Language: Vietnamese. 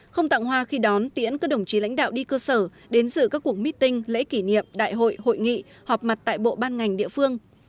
không tặng hoa khi đón tiễn các đồng chí lãnh đạo đi cơ sở đến dự các cuộc meeting lễ kỷ niệm đại hội hội nghị họp mặt tại bộ ban ngành địa phương